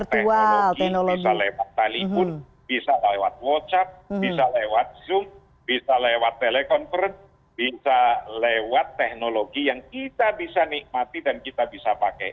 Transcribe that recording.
teknologi bisa lewat tali pun bisa lewat whatsapp bisa lewat zoom bisa lewat telekonferensi bisa lewat teknologi yang kita bisa nikmati dan kita bisa pakai